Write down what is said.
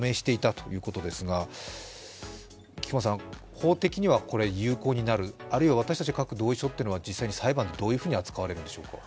公的にはこれ、有効になるあるいは私たちが書く同意書は実際に裁判でどういうふうに扱われるんでしょうか？